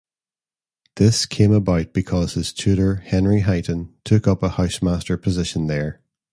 This came about because his tutor Henry Highton took up a housemaster position there.